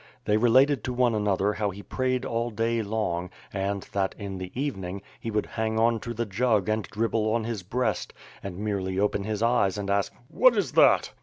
They related to one another how he prayed all day long and that, in the evening, he would hang on to the jug and dribble on his breast, and merely open his eyes and ask, "What is that?"